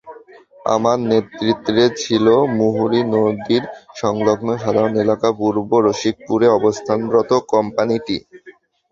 আমার নেতৃত্বে ছিল মুহুরী নদীর সংলগ্ন সাধারণ এলাকা পূর্ব রশিকপুরে অবস্থানরত কোম্পানিটি।